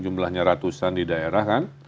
jumlahnya ratusan di daerah kan